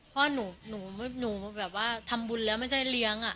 เพราะหนูแบบว่าทำบุญแล้วไม่ใช่เลี้ยง